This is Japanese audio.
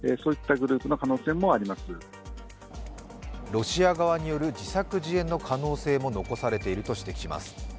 ロシア側による自作自演の可能性も残されていると指摘します。